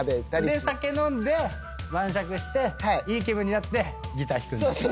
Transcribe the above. で酒飲んで晩酌していい気分になってギター弾くんだ。